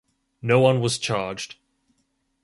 No one was charged.